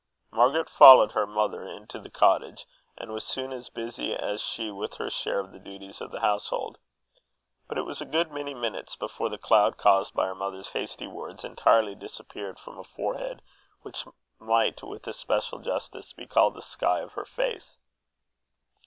Margaret followed her mother into the cottage, and was soon as busy as she with her share of the duties of the household; but it was a good many minutes before the cloud caused by her mother's hasty words entirely disappeared from a forehead which might with especial justice be called the sky of her face.